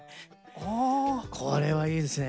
これはいいですね。